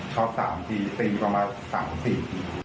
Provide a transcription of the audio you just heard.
เขา๓ทีตีกว่ามา๓๔ที